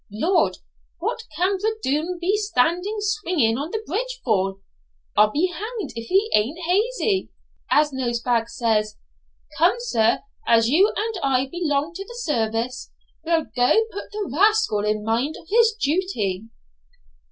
Lord, what can Bridoon be standing swinging on the bridge for? I'll be hanged if he a'nt hazy, as Nosebag says. Come, sir, as you and I belong to the service, we'll go put the rascal in mind of his duty.'